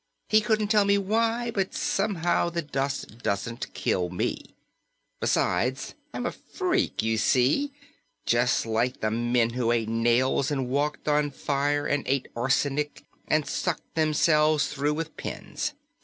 He couldn't tell me why, but somehow the dust doesn't kill me. Because I'm a freak, you see, just like the men who ate nails and walked on fire and ate arsenic and stuck themselves through with pins.